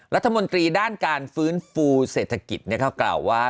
รัฐมนตรีด้านการฟื้นฟูเศรษฐกิจเขากล่าวว่า